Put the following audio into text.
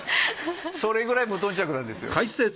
それくらい無頓着なんですよ。